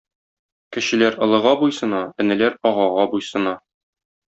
Кечеләр олыга буйсына, энеләр агага буйсына.